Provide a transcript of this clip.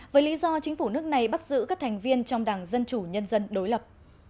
với lý do chính phủ nước này bắt giữ các thành viên trong đảng dân chủ nhân dân đối lập